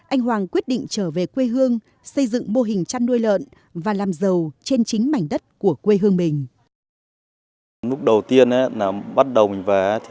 anh hoàng quyết định trở về quê hương xây dựng mô hình chăn nuôi lợn và làm giàu trên chính mảnh đất của quê hương mình